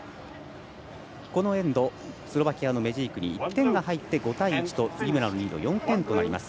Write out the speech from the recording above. このエンドスロバキアのメジークに１点が入って、５対１と杉村のリードは４点となります。